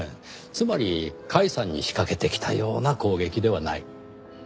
つまり甲斐さんに仕掛けてきたような攻撃ではない。